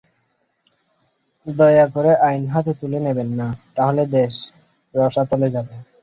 দয়া করে আইন হাতে তুলে নেবেন না, তাহলে দেশ রসাতলে যাবে।